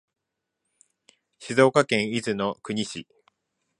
静岡県伊豆の国市